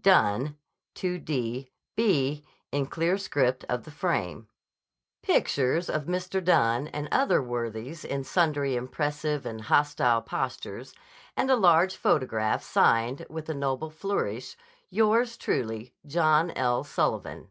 Dunne, 2d b." in clear script on the frame), pictures of Mr. Dunne and other worthies in sundry impressive and hostile postures, and a large photograph signed, with a noble flourish, "Yours truly, John L. Sullivan."